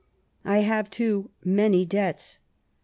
I have, too, many debts.